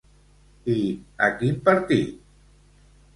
I a quin partit?